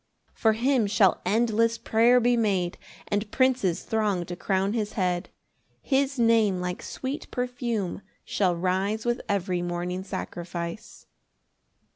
] 4 For him shall endless prayer be made And princes throng to crown his head; His Name like sweet perfume shall rise With every morning sacrifice.